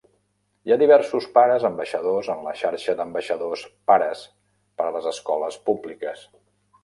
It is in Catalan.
Hi ha diversos pares ambaixadors en la xarxa d'ambaixadors Pares per a les Escoles Públiques.